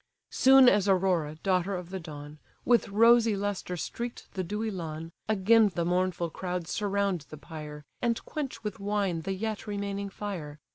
Soon as Aurora, daughter of the dawn, With rosy lustre streak'd the dewy lawn, Again the mournful crowds surround the pyre, And quench with wine the yet remaining fire.